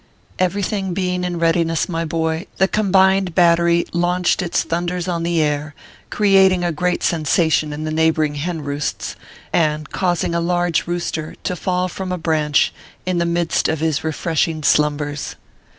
.Everything being in readiness, my boy, the com bined battery launched its thunders on the air, creat ORPHEUS C. KERR PAPERS. 273 ing a great sensation in the neigboring hen roosts, and causing a large rooster to fall from a branch in the midst of his refreshing slumbers.